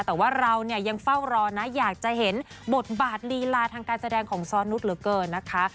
แต่ว่าเราเนี่ยยังเฝ้ารอนะอยากจะเห็นบทบาทลีลาทางการแสดงของซ้อนุษเหลือเกินนะคะ